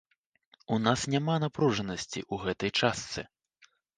У нас няма напружанасці ў гэтай частцы.